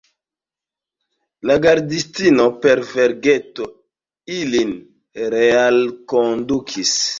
La gardistino, per vergeto ilin realkondukis.